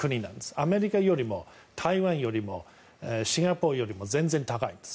アメリカよりも台湾よりもシンガポールよりも全然高いです。